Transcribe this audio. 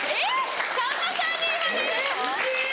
⁉さんまさんに言われるの？